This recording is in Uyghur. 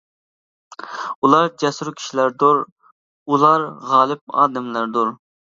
ئۇلار جەسۇر كىشىلەردۇر، ئۇلار غالىپ ئادەملەردۇر.